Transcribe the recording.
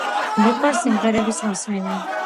მიყვარს სიმღერების მოსმენა.